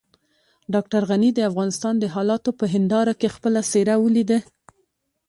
ډاکټر غني د افغانستان د حالاتو په هنداره کې خپله څېره وليده.